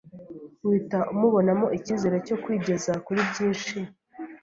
uhita umubonamo icyizere cyo kwigeza kuri byinshi